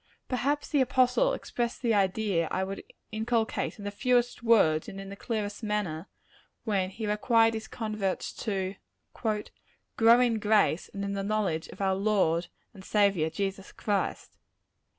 Perhaps the apostle expressed the idea I would inculcate, in the fewest words and in the clearest manner, when he required his converts to "grow in grace, and in the knowledge of our Lord and Saviour Jesus Christ."